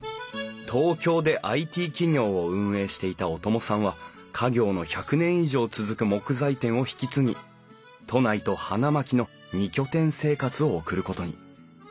東京でＩＴ企業を運営していた小友さんは家業の１００年以上続く木材店を引き継ぎ都内と花巻の２拠点生活を送ることに。